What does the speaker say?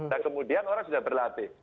dan kemudian orang sudah berlatih